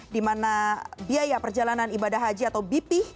dimana biaya perjalanan ibadah haji atau bp